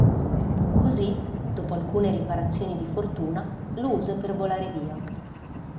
Così, dopo alcune riparazioni di fortuna, lo usa per volare via.